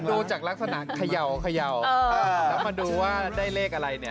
ดูจากลักษณะเขย่าแล้วมาดูว่าได้เลขอะไรเนี่ย